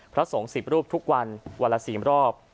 พระสงฆ์๑๐รูปทุกวันวันละ๔รอบ